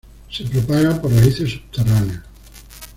Se propaga por raíces subterráneas.